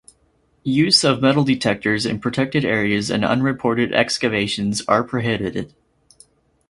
Use of metal detectors in protected areas and unreported excavations are prohibited.